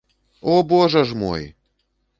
О, божа ж мой!